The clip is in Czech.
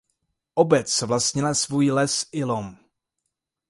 Obec vlastnila svůj les i lom.